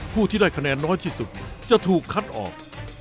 ผู้ที่ได้คะแนนน้อยที่สุดจะถูกคัดออก